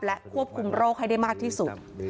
และควบคุมโรคให้ได้มากที่สุด